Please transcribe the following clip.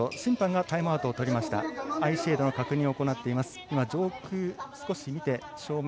アイシェードの確認を行っています。